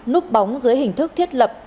núp bóng dưới hình thức thiết lập